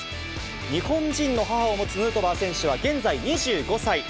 日本人の母を持つヌートバー選手は現在２５歳。